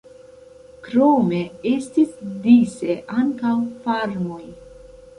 Krome estis dise ankaŭ farmoj.